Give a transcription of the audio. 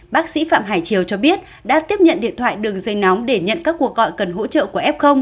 bác sĩ phạm hải triều cho biết đã tiếp nhận điện thoại đường dây nóng để nhận các cuộc gọi cần hỗ trợ của f